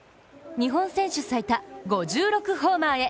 日本選手最多５６ホーマーへ。